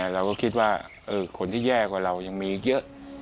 เราก็คิดว่าคนที่แย่กว่าเรายังมีเยอะ